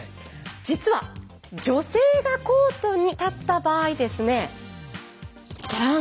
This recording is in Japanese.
実は女性がコートに立った場合ですねチャラン！